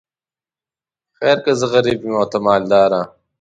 خیر که زه غریب یم او ته مالداره.